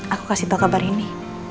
aku kasih tahu kabar ini